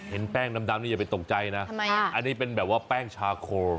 แป้งดำนี่อย่าไปตกใจนะอันนี้เป็นแบบว่าแป้งชาโค